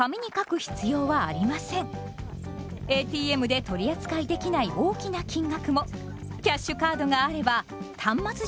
ＡＴＭで取り扱いできない大きな金額もキャッシュカードがあれば端末上でやりとりすることができます。